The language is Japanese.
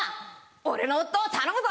俺の夫を頼むぞ！